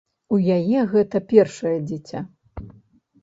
У яе гэта першае дзіця.